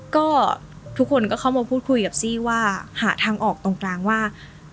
ก็ทุกคนก็เข้ามาพูดคุยกับซี่ว่าหาทางออกตรงกลางว่า